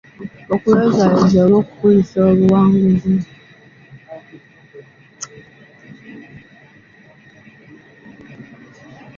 Okuyozaayoza oba okukulisa obuwanguzi.